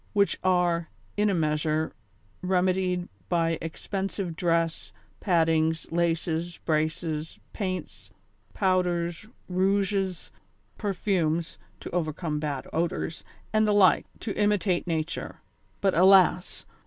which are, in a measure, remedied by expensive dress, paddings, laces, braces, paints, powders, rouges, perfumes (to over come bad odors) and the like, to imitate nature ; but, alas